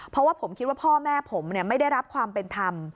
เพราะว่าผมคิดว่าพ่อแม่ผมไม่ได้รับความเป็นธรรม